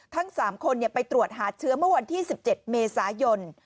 ทั้ง๓คนไปตรวจหาเชื้อเมื่อวันที่๑๗เมษายน